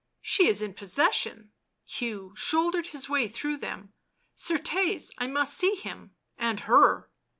"She is in possession."' Hugh shouldered his way through them. " Certes, I must see him— and her."